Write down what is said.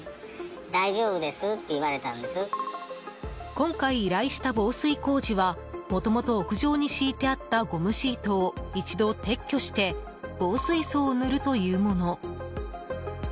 今回、依頼した防水工事はもともと屋上に敷いてあったゴムシートを一度撤去して防水層を塗るというもの。